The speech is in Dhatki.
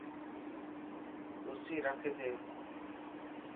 ڪرسي رک اٿي.